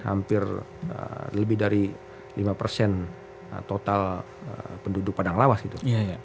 hampir lebih dari lima persen total penduduk padang lawas gitu